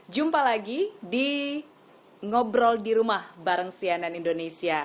jumpa lagi di ngobrol dirumah bareng sianen indonesia